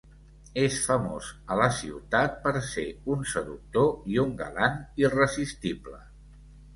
És famós a la ciutat per ser un seductor i un galant irresistible.